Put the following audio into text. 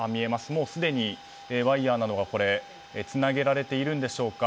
もうすでに、ワイヤなどがつなげられているんでしょうか。